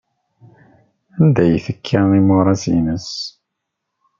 Anda ay tekka imuras-nnes?